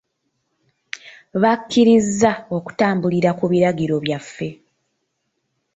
Bakkiriza okutambulira ku biragiro byaffe.